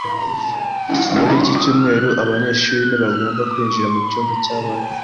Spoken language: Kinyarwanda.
Muri iki cyumweru, abanyeshuri ntibagomba kwinjira mu cyumba cy’abarimu.